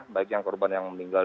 baik yang korban yang meninggal